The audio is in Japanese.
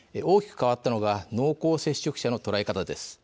大きく変わったのが濃厚接触者の捉え方です。